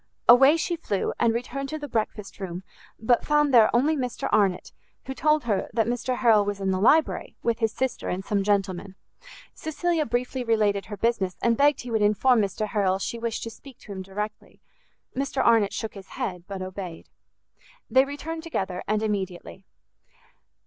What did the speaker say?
Away she flew, and returned to the breakfast room, but found there only Mr Arnott, who told her that Mr Harrel was in the library, with his sister and some gentlemen. Cecilia briefly related her business, and begged he would inform Mr Harrel she wished to speak to him directly. Mr Arnott shook his head, but obeyed. They returned together, and immediately.